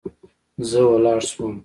زه ولاړ سوم.